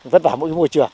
vất vả mỗi môi trường